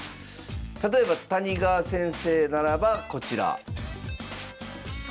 例えば谷川先生ならばこちら。